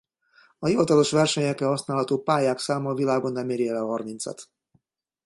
A hivatalos versenyekre használható pályák száma a világon nem éri el a harmincat.